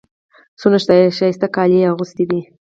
څونه ښایسته کالي يې اغوستي دي.